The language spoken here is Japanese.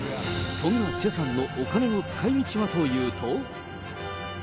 そんなチェさんのお金の使いみちはというと。